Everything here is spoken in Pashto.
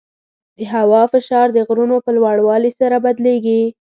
د هوا فشار د غرونو په لوړوالي سره بدلېږي.